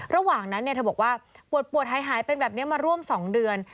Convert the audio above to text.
ระหว่างนั้นเธอบอกว่าปวดหายเป็นแบบนี้มาร่วม๒เดือน